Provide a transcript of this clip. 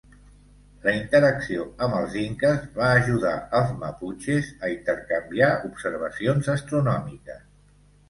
La interacció amb els inques va ajudar als maputxes a intercanviar observacions astronòmiques.